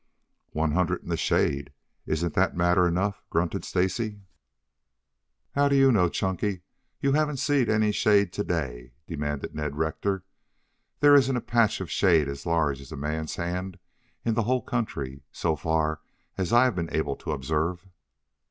"One hundred in the shade. Isn't that matter enough?" grunted Stacy. "How do you know, Chunky? You haven't seen any shade to day," demanded Ned Rector. "There isn't a patch of shade as large as a man's hand in this whole country, so far as I have been able to observe."